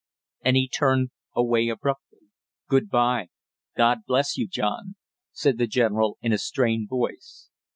and he turned away abruptly. "Good by God bless you, John!" said the general in a strained voice.